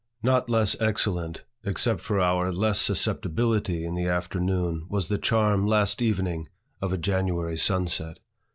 Not less excellent, except for our less susceptibility in the afternoon, was the charm, last evening, of a January sunset.